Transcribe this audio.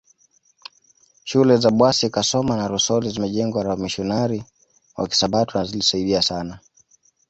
Shule za Bwasi Kasoma na Rusoli zimejengwa na wamisionari wa Kisabato na zilisaidia sana